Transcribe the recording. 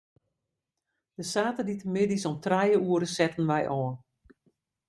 De saterdeitemiddeis om trije oere setten wy ôf.